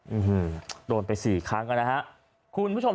หื้อหื้อโดนไป๔ครั้งเลยนะฮะ